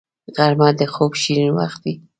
غرمه د خوب شیرین وخت وي